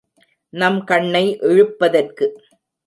நம் கண்ணை இழுப்பதற்கு.